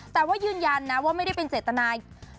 แต่ว่ายืนยันนะว่าไม่ได้เป็นเจตนา